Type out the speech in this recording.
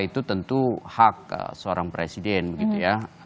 itu tentu hak seorang presiden gitu ya